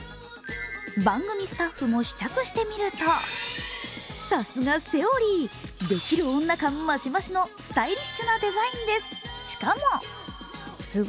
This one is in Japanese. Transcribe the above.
番組スタッフも試着してみるとさすがＴｈｅｏｒｙできる女感マシマシのスタイリッシュなデザインです。